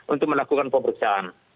untuk melakukan pemeriksaan